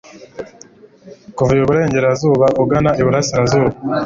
kuva iburengerazuba ugana iburasirazuba